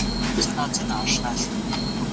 او چې هغوئ پرې وارد نه سول بیا د وینا کولو ته